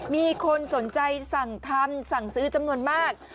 มีคนสนใจสั่งทำสั่งซื้อจำนวนมาก